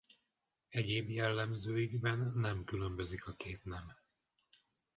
Egyéb jellemzőikben nem különbözik a két nem.